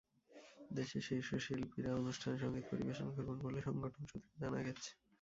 দেশের শীর্ষ শিল্পীরা অনুষ্ঠানে সংগীত পরিবেশন করবেন বলে সংগঠন সূত্রে জানা গেছে।